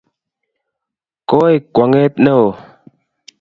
koek kwong'et neoo